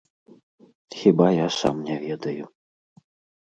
Хіба я сам не ведаю.